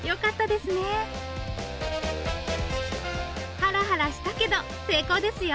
ハラハラしたけど成功ですよ！